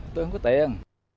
tôi không có tiền